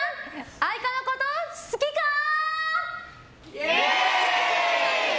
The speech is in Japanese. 愛花のこと好きかー？